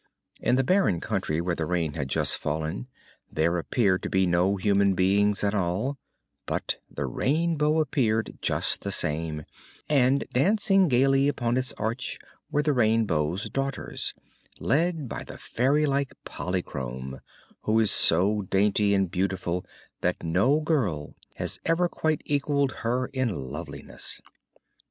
In the barren country where the rain had just fallen there appeared to be no human beings at all; but the Rainbow appeared, just the same, and dancing gayly upon its arch were the Rainbow's Daughters, led by the fairylike Polychrome, who is so dainty and beautiful that no girl has ever quite equalled her in loveliness.